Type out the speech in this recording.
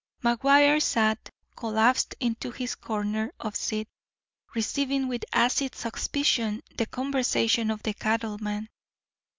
McGuire sat, collapsed into his corner of the seat, receiving with acid suspicion the conversation of the cattleman.